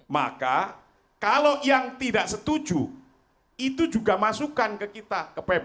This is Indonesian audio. maka kalau yang tidak setuju itu juga masukan ke kita ke pbb